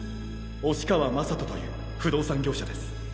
押川将斗という不動産業者です。